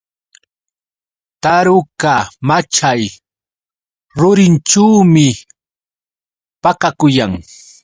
Taruka machay rurinćhuumi pakakuyan.